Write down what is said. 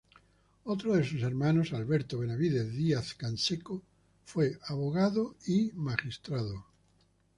Otro de sus hermanos, Alberto Benavides Diez-Canseco, fue abogado y magistrado.